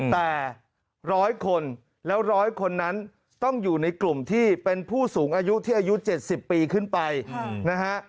แต่ร้อยคนแล้ว๑๐๐คนนั้นต้องอยู่ในกลุ่มที่เป็นผู้สูงอายุที่อายุ๗๐ปีขึ้นไปนะฮะ